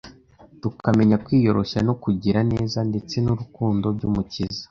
tukamenya kwiyoroshya no kugira neza ndetse n’urukundo by’Umukiza